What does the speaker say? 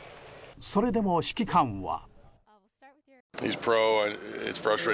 それでも指揮官は。